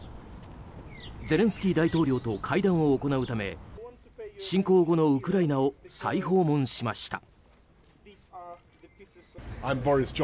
ゼレンスキー大統領と会談を行うため侵攻後のウクライナを再訪問しました。